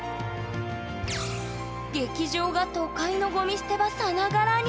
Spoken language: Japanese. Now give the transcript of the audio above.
劇場が都会のゴミ捨て場さながらに！